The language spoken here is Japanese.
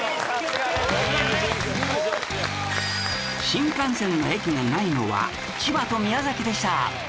新幹線の駅がないのは千葉と宮崎でした